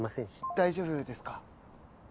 大丈夫ですか？